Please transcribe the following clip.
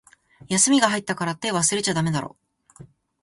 休みが入ったからって、忘れちゃだめだろ。